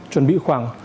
chuẩn bị khoảng